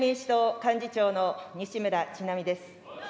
幹事長の西村智奈美です。